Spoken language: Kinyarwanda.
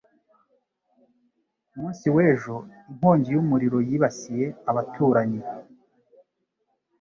Ku munsi w'ejo, inkongi y'umuriro yibasiye abaturanyi.